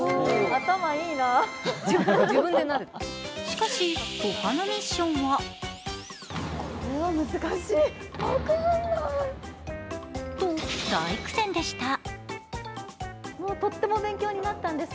しかし、他のミッションはと大苦戦でした。